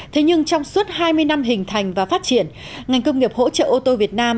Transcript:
thế nhưng trong suốt hai mươi năm hình thành và phát triển ngành công nghiệp hỗ trợ ô tô việt nam